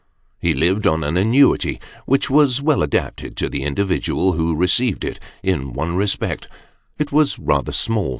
He lived on an annuity which was well adapted to the individual who received it, in one respect it was rather small.